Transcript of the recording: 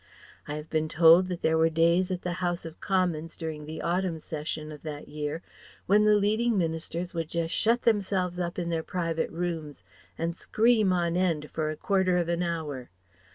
I have been told that there were days at the House of Commons during the Autumn Session of that year when the leading ministers would just shut themselves up in their Private Rooms and scream on end for a quarter of an hour....